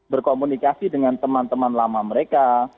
berkomunikasi dengan teman teman lama mereka